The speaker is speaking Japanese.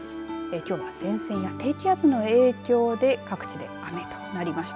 きょうは前線や低気圧の影響で各地で雨となりました。